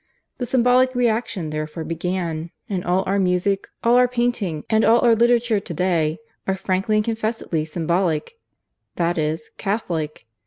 The Symbolic Reaction therefore began, and all our music, all our painting, and all our literature to day are frankly and confessedly Symbolic that is, Catholic.